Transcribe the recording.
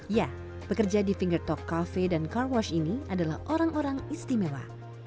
ya pekerja di finger talk cafe dan car wash ini adalah orang orang istimewa